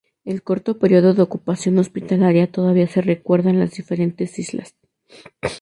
El corto período de ocupación hospitalaria todavía se recuerda en las diferentes islas.